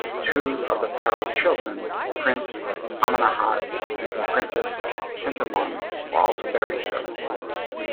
Two of the pharaoh's children, Prince Amenemhat and Princess Tentamun were also buried here.